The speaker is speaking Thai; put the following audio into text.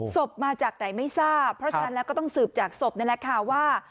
ศพมาจากไหนไม่ทราบเพราะฉะนั้นแล้วก็ต้องสืบจากศพนั่นแหละค่ะว่า